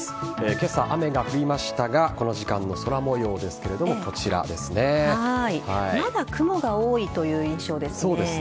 今朝、雨が降りましたがこの時間の空模様ですがまだ雲が多いという印象ですね。